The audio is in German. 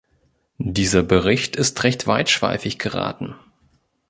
Dieser Bericht ist recht weitschweifig geraten.